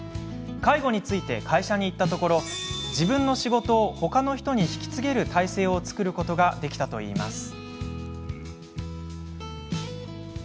介護について会社に言ったところ自分の仕事をほかの人に引き継げる態勢を作ることができたといいます。